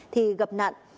thì gặp nạn